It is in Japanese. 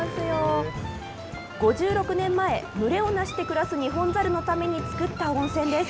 ５６年前、群れを成して暮らすニホンザルのために作った温泉です。